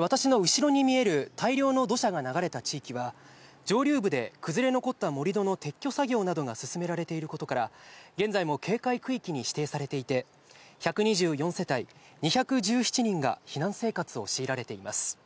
私の後ろに見える大量の土砂が流れた地域は上流部で崩れ残った盛り土の撤去作業などが進められていることから、現在も警戒区域に指定されていて、１２４世帯２１７人が避難生活を強いられています。